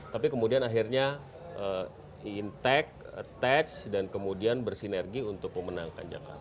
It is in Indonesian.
tapi kemudian akhirnya intax attack dan kemudian bersinergi untuk memenangkan jakarta